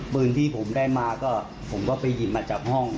ปืนที่ผมได้มาก็ผมก็ไปหยิบมาจากห้อง